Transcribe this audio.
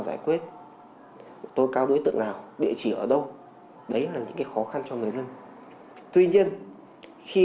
giải quyết tôi cao đối tượng nào địa chỉ ở đâu đấy là những cái khó khăn cho người dân tuy nhiên khi